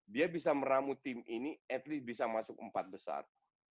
dia bisa meramu tim ini setidaknya bisa masuk ke empat besar